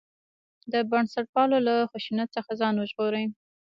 د بنسټپالو له خشونت څخه ځان وژغوري.